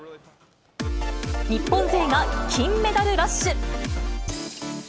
日本勢が金メダルラッシュ。